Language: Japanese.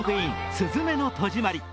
「すずめの戸締まり」。